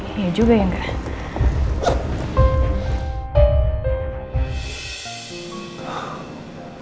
iya juga ya gak